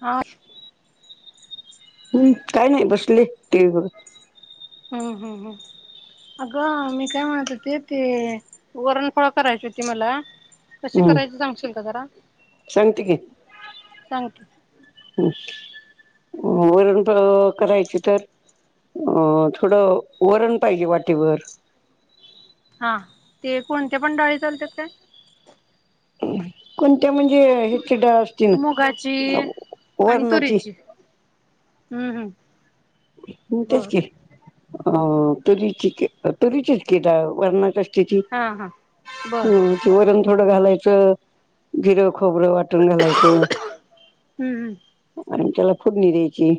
ह. हम्म काय नाही बसले टीवी बघत. हम्म हम्म हम्म. अगं मी काय म्हणत होते ते वरणफोळ करायची होती मला. कशी हम्म करायची सांगशील का जरा. सांगते की सांग की. वरणफळ करायची तर, अ थोडं वरण पाहिजे वाटीभर. हा ते कोणत्या पण डळी चालतात काय? कोणत्या म्हणजे हेची डाळ असती मुगाची ना, आणि वर्णाची. तुरीची हम्म हम्म. तेच बर की अ तुरीची तुरीचेच के वर्णाला त हा हा बर वरण थोडं घालायचं. खोबरं वाटून घालायचं. हम्म हम्म आणि त्याला फोडणी द्यायची.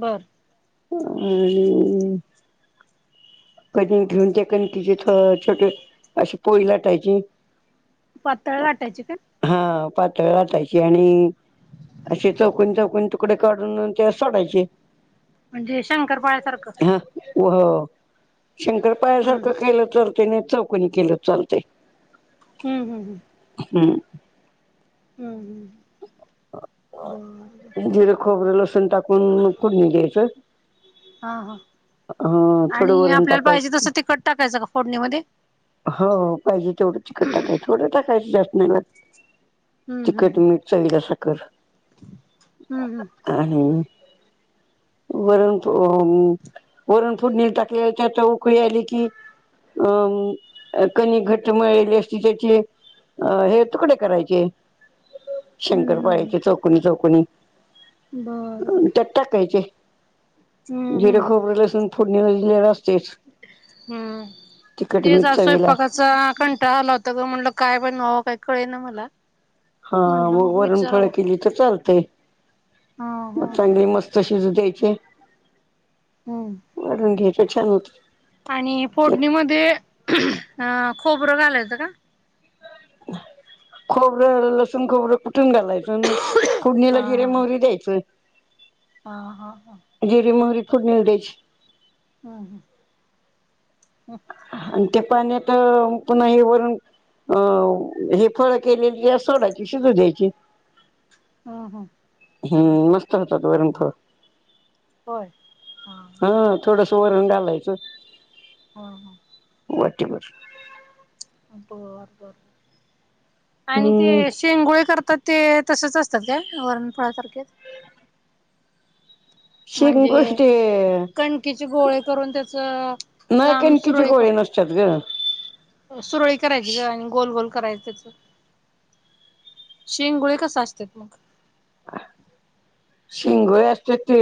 बर. आणि कण घेऊन त्या कणकीचे छोटे अशी पोळी लाटायची पातळ लाटायचि का? हा पातळ लाटायची आणि असे चौकून चौकून तुकडे काढून ते सोडायचे. म्हणजे शंकरपाळ्यासारखं. व शंकर हम्म पाळ्यासारखं केलं चालत अन चौकनी केलं चालते. हम्म. हम्म. हम्म हम् बर [inaudible] जिरं, खोबरं, लसण टाकून म फोढणी द्यायचं. हा हा अ थोडं आणि वरण आपल्याला पाहिजे टाकायचं तसं तिखट टाकायचं का? फोडणीमध्येध्ये. हो पाहिजे तेवढं तिकट टाकायचं थोड टाकायचं जास्त नाही. हम्म हम्म तिखट हम्म मीठ चवीला आस कर हम्म हम्म आणि [unintelligible] वरण अ वरण फोडणी टाकली त्यात उकळी आली की अम अ कनीक घट्ट मिळलेली असती त्याची अ हे तुकडे करायचे. हम्म शंकरपाळाचे हम्म चोकणी चोकणी बर बर त्यात टाकायचे हम्म हम्म जिर हम्म खोबर लसून फोडणीला दिलेलं असतयच तिखटमीट ला स्वयंपाकाचा कंटाळा आला होता ग म्हटलं काय बनवाव काय कळे ना मला हा म्हटलं मग वरणफळ विचारावं केली तर चालतेय हा म हा ह चांगली मस्त शिज द्यायचे हम्म हेच छान होत आणि त्यात फोडणीमध्ये अ खोबरं घालायचं का खोबरं लसून खोबरं कु टून घालायचं अन फुडणीला हा जिरे हा मोहरी द्यायचं हा हा जिरी मोहरी फुडणिला द्यायची हा हा हं आणि ते पाणी आता पुन्हा हे भरून अ हे फळ केलेली यात सोडायची शिजू द्यायची हां हां हं मस्त होतात वरण फळं होय हा हां थोडस वरण घालायचं हां हां वाटीभर बर बर आणि ते हम्म शेंगोळे करतात ते तसच असतात काय वरणफळा सारखेेच शिंगोष्टी कणकीचे गोळे करून त्याच नाही लांब कणकीचे सुरळी क गोळे नसतात ग सुरळी करायची गं आणि गोल गोल करायचच तेच शेंगोळ कस असत्यात मग अ शिंगोळे असत्यात ते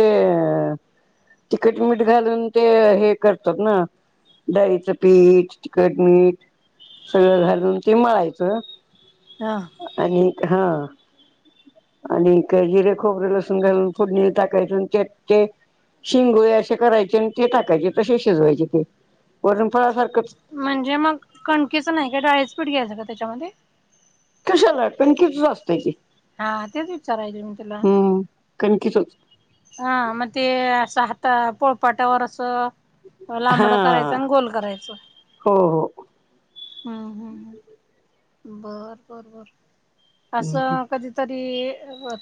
तखट मिठ घालून ते हे करतात ना डाळीचं पीठ तिखट मीठ सगळं घालून ते मळायचं हा आणि हां आणि ते जिरे खोबरं लसून तून घालून फुडणीला टाकायच आणि त्यात ते शिंगोळे असे करायचे आणि ते टाकायचे तसे शिजवायचे ते वरून फळासारख म्हणजे मग कणकेचं नाही का डाळीच पीठ घ्यायचं का त्याच्यामध्ये [inaudible] हां तेच विचारायलोय मी तुला हम्म कणकीचच त्या पोळपाटावर असं लांबडं करायच हा आणि गोल करायचं हो हं हं हम् बर बरबर हो असं..... कधीतरी.......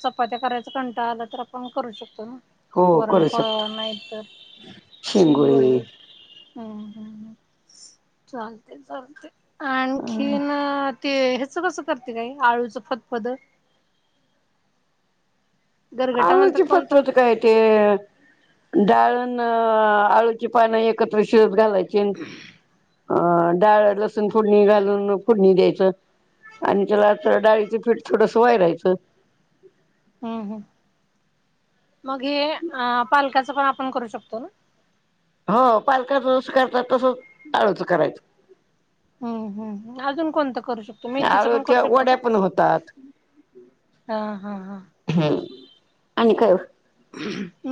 चपात्या करायचा कंटाळा आला तर आपण करू शकतो ना हो करू वरणफळ शकतो नाहीतर शिंगोळे हम् हं हं चालतय चालतय आणखीन ते हेच कसं करत्यात आळूचं फतपद गरगट आळूच म्हणतात कोणत फतप काय ते डाळ अण आळूची पानं एकत्र शिजत घालायची [inaudible] अं डाळ लसूण फोडणी घालून फोडणी द्यायचं... आणि त्याला डाळीचं पीठ थोडसं वायरायच.... हम् हम. मग हे अ पालकाच पण आपण करू शकतो ना.. हो पालक जस करतात तसच आळच करायचं... हम्म हम्म अजून कोणतं करू शकतो मेथीच पण करू आळूच्या शकतो का? वड्या पण होतात. हा हा हा.. हम्म आणि काय....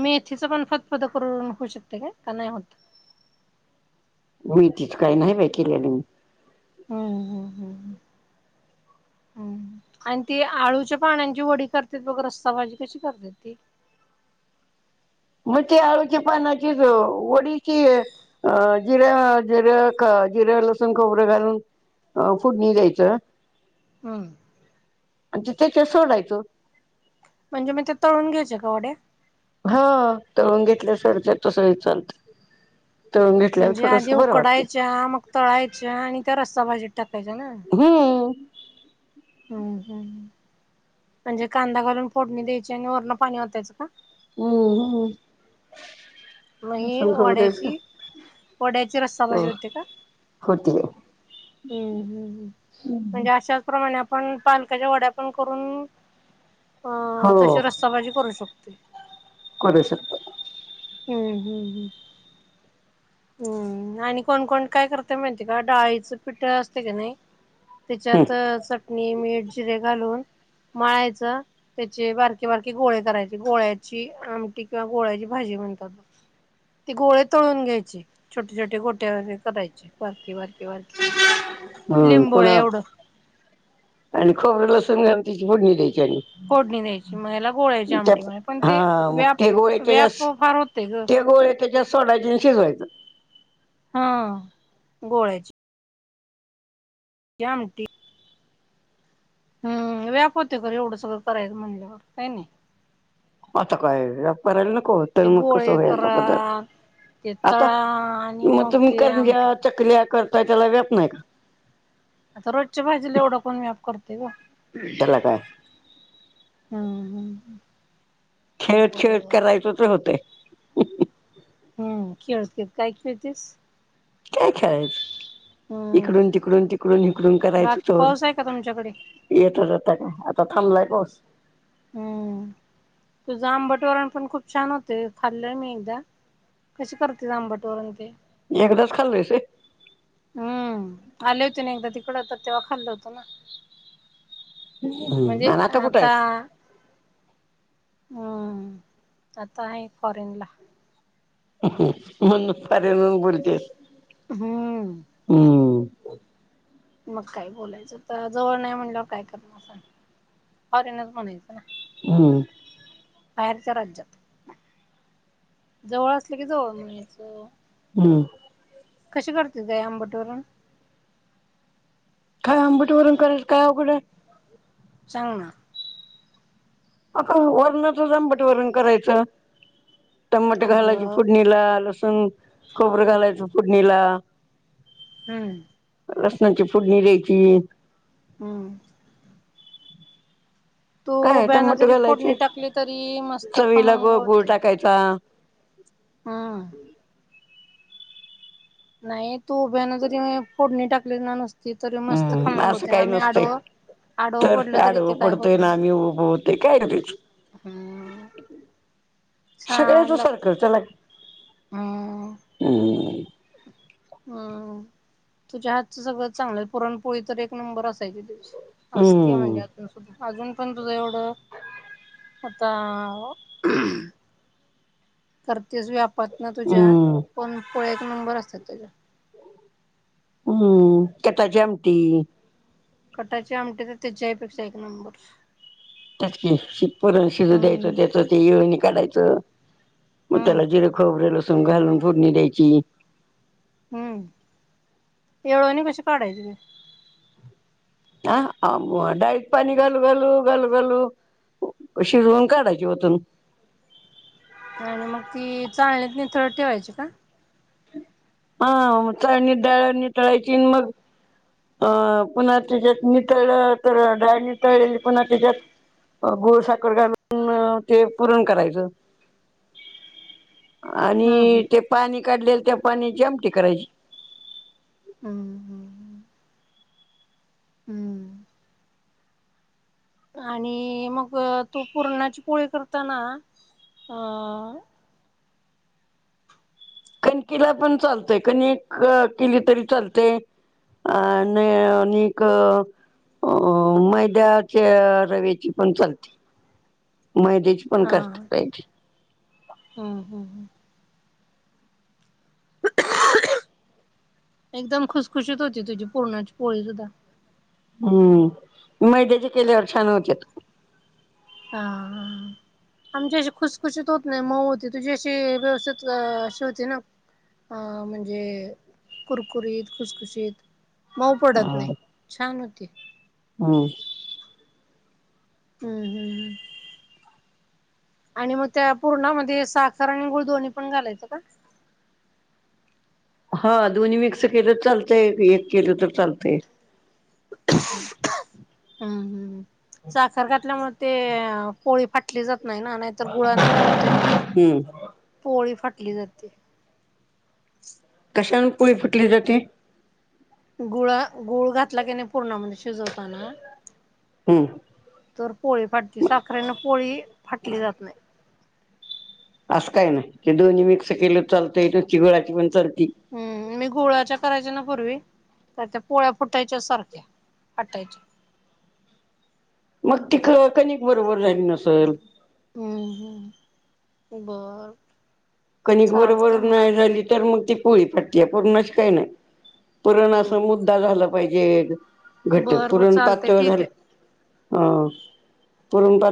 मेथीच पण फतफद करून होऊ शकते का का नाही होत. मेथीच काही नाही बाई केलेल मी.. [inaudible] हम्म हम्म हम्म आणि ती आळूच्या पाण्यांची वडी करत्यात बघ रस्सा भाजी कशी करत्यात ती.... [inaudible] मग ते आळूच्या पानाची वडीची अ जिऱ्या... जिर लसूण खोबरं घालून फोडणी द्यायचं... हम्म... आणि ति त्याच्यात सोडायच... म्हणजे मी ते तळून घ्यायचे का वड्या... हा तळून घेतल्या सर ते तस चालतंय.... म्हणजे आधी उकडायच्या मग तळायच्या आणि त्या रस्ता भाजीत टाकायच्या ना... हम्म हम्म हम् म्हणजे कांदा घालून फोडणी द्यायची आणि वरण पाणी ओतायच का... हम्म मग हम्मसख ही उसळी होऊ द्यायचं... वड्याची वड्याची रस्सा भाजी होते का हो त्या... हम्म हम्म् म्हणजे अशाच प्रमाणे... पण पालकाच्या वड्या पण करून... अं तशी रस्सा भाजी करू शकतोय! करू शकतो. हम्म हम्म हम्म... हम्म आणि कोणकोण काय करते माहिती का डाळीचं पिठ असते कणी... हम्म त्याच्यात चटणी मीठ जिरे घालून.... मळायच त्याचे बारके बारके गोळे करायचे गोळ्याची आमटी किंवा गोळ्याची भाजी... म्हणात त गोळे तळून घ्यायची... छोटे -छोटे गोट्या व करायचे बारके बार हं लिंबूळ एवढं - खोबर लसून घालून त्याची फोडणी द्यायची आणि... फोडणी द्यायची मग याला गोळ्याची आमटी त्यात म्हणायची पण ते हा मग ते व्याप -व्याप फार होतय ग... त्याच्या सोडा देऊन शिजवायच... हा गोळ्याची.... ती आमटी... हम्म व्याप होते कर एवढं सगळं करायचं म्हणल्यावर कणी आता काय व्याप करायला नको तर ते मग कसं गोळे व्हायचा पदार्थ... करा ते आता तळा आणि मग तुम्ही ते आमटी कारंजा करा. चकल्या कर... काय त्याला वव्याप नाही का.. आता रोजच्या भाजीला एवढं कोण व्याप करते ओ.... त्याला काय... हम्म हम्म हम्... खेळत -खेळत करायच मग होतय... हम्म खेळत -खेळत काय खेळतीस... काय खेळायचं इकडून तिकडून तिकडून इकडून करायचं बाकी तवर.. पाऊस आहे का तुमच्याकडे? येतच आता काय आता थांबलाय पाऊस.... हम्म तुझं आंबट वरण पण खूप छान होतंय खाल्लंय मी एकदा, कशी करतेस, आंबट वरण ते एकदाच खाल्ल्यस व्हय, हम्म‌.. आले होते ना एकदा तिकड, तर तेव्हा खाल्ल होतं ना. व्हय म्हणजे आणि कुठं आता, आहेस हम्म आता आहे फॉरेन ला. म्हणूनच फॉरेन वरण बोलतेस. हम्म. हम्म मग काही बोलायचं आता, जवळ नाही म्हणल्यावर काय करणार सांग फॉरेनरच म्हणायचं ना. हम. बाहेरच्या राज्यात, जवळ असले की जवळ म्हणायचं. हम. कशी करतेस गं, आई आंबट वरण. काय आंबट वरण करायंंच काय अवघडं हाय. सांगना. अ का वरणाच आंबट वरण करायचं. टमाटे घालायचे अगं फोडणीला, लसूण खोबरं घालायचं फोडणीला. हम्म. लसनाची फोडणी द्यायची. हम्म. तू काय उभ्याना टमाटे जरी फोडणी घालायचे टाकली, तरी मस्त चवीला खमंग ग गुळ होते. टाकायचा हा. नाही तू उभ्या न जरी फोडणी टाकली ना नुसती. तरी मस्त हम्म खमंग असं होते काही आम्ही नसतंय, आडवं आडवं तर पडलं तरी आडव ते काय होत पडतोय ना नाही आम्ही उभं होतंय. [unintelligible] हम्म. छान सगळ्याच लागते. सारखं चला हम्म हम्म हम्म तुझ्या हातच सगळं चांगलं, पुरणपोळी तर एक नंबर असायची तुझी. असते म्हणजे हम्म अजून सुद्धा. अजून पण तुझं, एवढं आता करतेच व्यापत ना तुझ्या, हम्म पण पोळ्या एक नंबर असतात तुझ्या. हम्म कटाची आमटी. कटाची आमटी तर त्याच्यापेक्षा एक नंबर. त्यात की पुरन शिजू द्यायचं, हम्म त्याच ते येळूणी काढायचं. मग हम्म त्याला जिरे खोबरे लसूण घालून फोडणी द्यायची. हम्म.. येळोणी कशी काढायची. आ.. आमु डाळीत पाणी घालू घालू घालू घालू. शिजवून काढायची वतून. आणि मग ती चालणीत नितळत ठेवायची का. हा.. चाळणीत डाळ नितळायची मग, अं पुन्हा त्याच्यात नितळलं, तर डाळ नितळलेली पुन्हा त्याच्यात गुळ साखर घालून ते पुरण करायचं. हम्म आणि हम्म ते पाणी काढलेल, त्या पाण्याची आमटी करायची. हम्म हम्म हम्म. हम्म. आणि मग तो पूरणाची, पोळी करताना. अं.. कणकिला पण चालतंय कणिक केली तरी चालते. अ... न... निक अ मैद्याच्या रव्याची पण चालते. मैद्याची पण हा करते पाहिजे हम्म हम्म हम् काही आवाज येत नाही सर एकदम खुशखुशीत होती तुझी पूर्णाची पोळी सुद्धा हम्म मैद्याचे केल्यावर छान होते हा हा आमची अशी खुसखुशीत होत नाही मऊ होती तुझी अशी व्यवस्थित अशी होती ना. अं म्हणजे कुरकुरीत खुसखुशीत. मऊ पडत नाही छान होती. ह हम्म हम्म हम् आणि मग त्या पूर्णामध्ये साखर आणि गुळ दोन्ही पण घालायचं का हा दोन्ही मिक्स केलं तर चालतंय एक केलं तर चालतंय हम्म हम् साखर घातल्यामुळे ते पोळी फाटली जाते नाही ना नाहीतर गुळान काय होते हम्म पोळी फाटली जाते कशन पुळी फुटली जाते गुळा गुळ घातला की नाही पूर्ण म्हणजे शिजवताना हम्म. तर पोळी फाटली साखरेने पोळी फाटली जात नाही असं काय ना ते दोन्ही मिक्स केलं चालतं इथ चिगळाची पण चल हम् मी गोळा्याच्या करायच्या न पूर्वी तर त्या पोळ्या फुटायच्या सारख्या हटायच्या. मग ति ख कनिक बरोबर झाली नसेल हम ह बर कणिक चालते बरोबर मग नाही झाली तर मग ती पोळी पटते आहे पूर्णच काही नाही. पुरण हो असं हो. मुद्दा झाला पाहिजे घट बरं बर पुरण पाच चालतय ठीक झालं आहे. ह परूनप